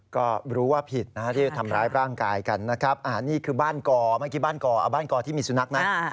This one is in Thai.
ก็รู้ว่าผิดนะที่ทำร้ายร่างกายกันนะครับอันนี้คือบ้านก่อบ้านก่อที่มิสุนัขนะ